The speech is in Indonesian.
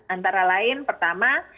antara lain pertama